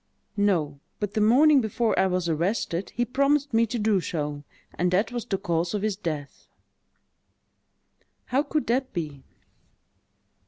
"No—but the morning before I was arrested, he promised me to do so; and that was the cause of his death." "How could that be?"